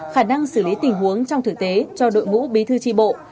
khả năng xử lý tình huống trong thực tế cho đội ngũ bí thư tri bộ